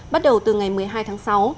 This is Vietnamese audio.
bắt đầu từ ngày một mươi hai tháng sáu